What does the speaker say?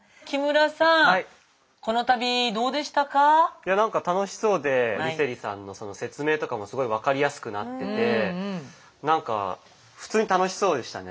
いやなんか楽しそうで梨星さんの説明とかもすごい分かりやすくなっててなんか普通に楽しそうでしたね。